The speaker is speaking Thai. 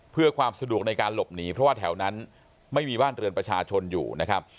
เพื่อความสะดวกในการหลบหนีเพราะว่าแถวนั้นไม่มีบ้านเรือนประชาชนอยู่นะครับ